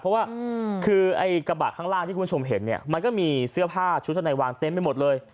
เพราะว่าคือไอ้กระบะข้างล่างที่คุณผู้ชมเห็นเนี่ยมันก็มีเสื้อผ้าชุดชั้นในวางเต็มไปหมดเลย